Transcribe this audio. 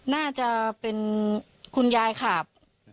น่าจะเป็นคุณยายขาบ